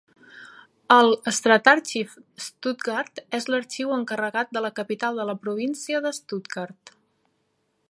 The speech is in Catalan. El Stadtarchiv Stuttgart és l'arxiu encarregat de la capital de la província de Stuttgart.